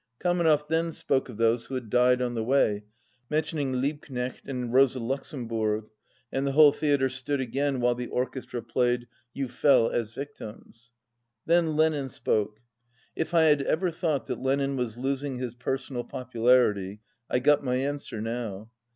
Kamenev then spoke of those who had died on the way, mentioning Liebknecht and Rosa Luxem bourg, and the whole theatre stood again while the orchestra played, "You fell as victims." Then Lenin spoke. If I had ever thought that Lenin was losing his personal popularity, I got my answer now.